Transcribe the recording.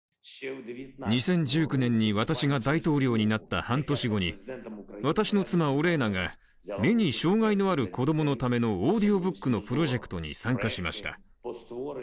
２０１９年に私が大統領になった半年後に私の妻、オレーナが目に障害のある子供のためのオーディオブックのプロジェクトに参加しました。